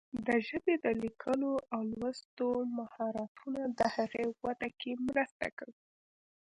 د ژبې د لیکلو او لوستلو مهارتونه د هغې وده کې مرسته کوي.